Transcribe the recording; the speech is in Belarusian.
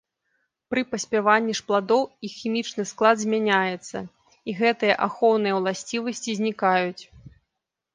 Пры паспяванні ж пладоў іх хімічны склад змяняецца і гэтыя ахоўныя ўласцівасці знікаюць.